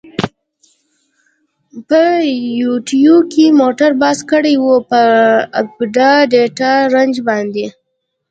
په یوټیو کی مونږ بحث کړی وه په آپډا ډیټا رنج باندی.